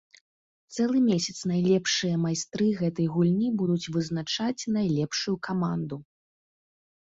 Цэлы месяц найлепшыя майстры гэтай гульні будуць вызначаць найлепшую каманду.